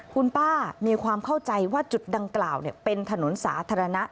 คุณป้ามีความเข้าใจว่าจุดดังกล่าวเป็นถนนสาธารณะ